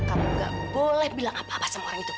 kamu gak boleh bilang apa apa sama orang itu